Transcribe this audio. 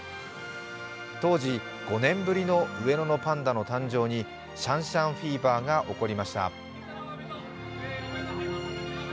当時、５年ぶりの上野のパンダの誕生にシャンシャンフィーバーが起こりました。